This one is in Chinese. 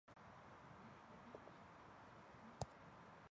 荷兰东印度公司和麻豆社签订的和平协约。